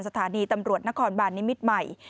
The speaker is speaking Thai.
สถานีตำรวจนครบานนิมิตรใหม่